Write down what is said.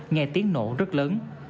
nghe tiếng nổ rất lớn